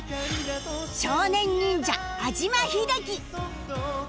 少年忍者安嶋秀生